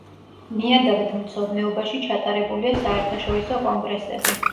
ნიადაგთმცოდნეობაში ჩატარებულია საერთაშორისო კონგრესები.